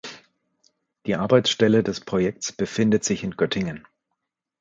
Die Arbeitsstelle des Projekts befindet sich in Göttingen.